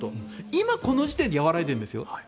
今、この時点で和らいでいるんですよ。